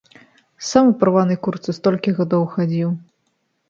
Сам у парванай куртцы столькі гадоў хадзіў.